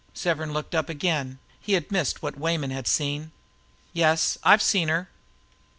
Severn looked up again. He had missed what Weyman had seen. "Yes, I've seen her."